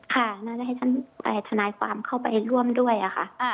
ค่ะน่าจะให้ท่านทนายความเข้าไปร่วมด้วยค่ะ